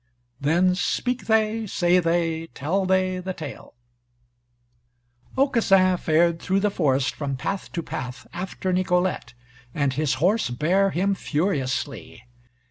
Then speak they, say they, tell they the Tale: Aucassin fared through the forest from path to path after Nicolete, and his horse bare him furiously.